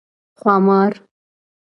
🐉ښامار